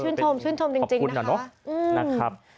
ชื่นโทรมชื่นโทรมจริงนะครับ